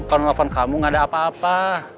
kalau nelfon kamu gak ada apa apa